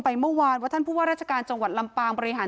เมื่อวานว่าท่านผู้ว่าราชการจังหวัดลำปางบริหาร